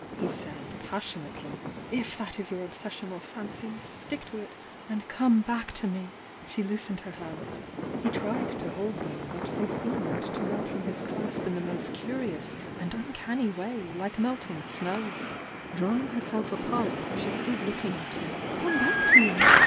he said, passionately, —"If that is your obsession or fancy, stick to it, ana come back to me!" .•, x u u *i,„r« She loosened her hands,— he tried to hold them, but they seemed to melt from his clasp m the most THE YOUNG DIANA 868 Draw curious and uncanny way like melting mow. ing herself apart, she stood looking at him. "Come back to you!"